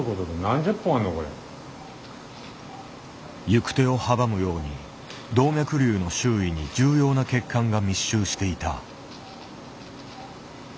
行く手を阻むように動脈瘤の周囲に重要な血管が密集していた。